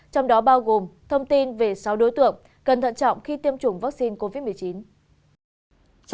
trong đó bao gồm thông tin về sáu đối tượng cần thận trọng khi tiêm chủng vaccine covid một mươi chín